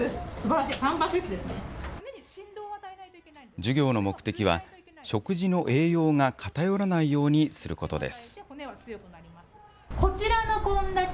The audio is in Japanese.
授業の目的は、食事の栄養が偏らないようにすることです。